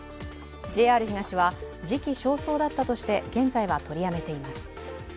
ＪＲ東は、時期尚早だったとして、現在は取りやめています。